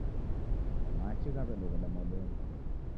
Machi ghawedoghoda modonyi